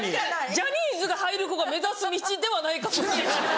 ジャニーズ入る子が目指す道ではないかもしれない。